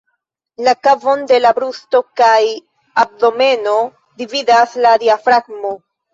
La kavon de la brusto kaj abdomeno dividas la diafragmo.